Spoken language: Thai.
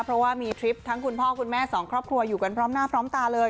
เพราะว่ามีทริปทั้งคุณพ่อคุณแม่สองครอบครัวอยู่กันพร้อมหน้าพร้อมตาเลย